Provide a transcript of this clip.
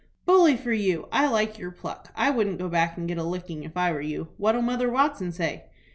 "Bully for you! I like your pluck. I wouldn't go back and get a licking, if I were you. What'll Mother Watson say?"